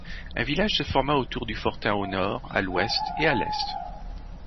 Un village se forma autour du fortin au nord, à l'ouest et à l'est.